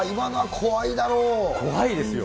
怖いですよ。